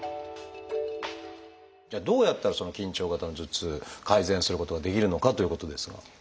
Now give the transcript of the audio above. じゃあどうやったらその緊張型の頭痛改善することができるのかということですが。